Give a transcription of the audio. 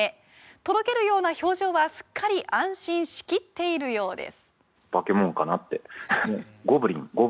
とろけるような表情は、すっかり安心しきっているようです。